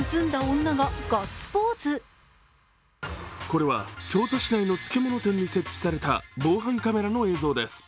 これは京都市内の漬物店に設置された防犯カメラの映像です。